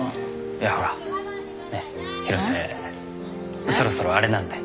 いやほらねっ広瀬そろそろあれなんで。